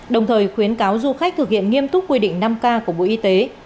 đồng thời khuyến cáo du khách thực hiện nghiêm túc quy định năm k của bộ y tế